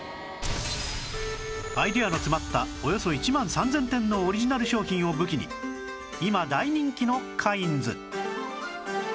アイデアの詰まったおよそ１万３０００点のオリジナル商品を武器に今大人気のカインズ